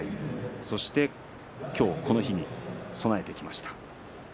そして今日この日に備えてきました。